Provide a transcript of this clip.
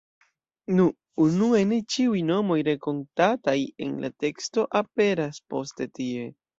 Nu, unue ne ĉiuj nomoj renkontataj en la teksto aperas poste tie.